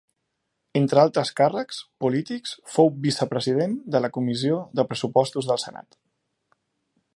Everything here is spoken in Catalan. Entre altres càrrecs polítics fou vicepresident de la comissió de pressuposts del Senat.